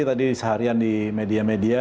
tadi seharian di media media